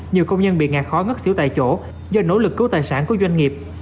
nhiều công nhân bị ngạt khó ngất xỉu tại chỗ do nỗ lực cứu tài sản của doanh nghiệp